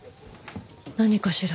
何かしら？